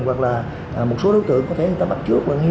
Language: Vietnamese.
hoặc là một số đối tượng có thể người ta bắt trước